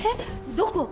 どこ？